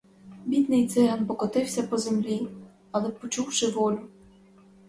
Бідний циган покотився по землі, але, почувши волю.